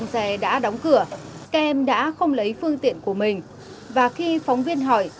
xe cháy phép không xe cháy phép là xe gì